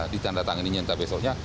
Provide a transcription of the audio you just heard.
ditanda tangan ini nanti besoknya